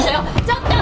ちょっと！